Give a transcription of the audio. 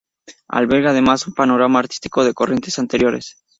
Alberga además un panorama artístico de corrientes anteriores.